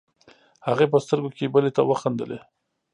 هغې په سترګو کې بلې ته وخندلې.